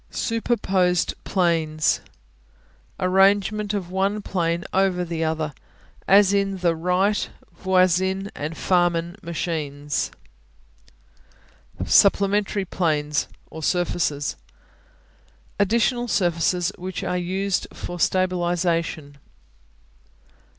Superposed Planes Arrangement of one plane over the other, as in the Wright, Voisin and Farman machines. Supplementary Planes (or surfaces) Additional surfaces which are used for stabilization.